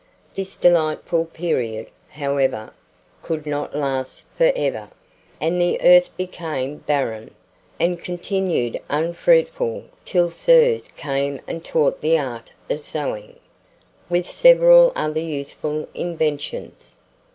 This delightful period, however, could not last for ever, and the earth became barren, and continued unfruitful till Ceres came and taught the art of sowing, with several other useful inventions.